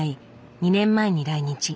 ２年前に来日。